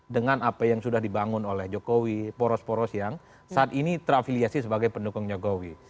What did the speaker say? dengan apa yang sudah dibangun oleh jokowi poros poros yang saat ini terafiliasi sebagai pendukung jokowi